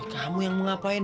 kamu yang mau ngapain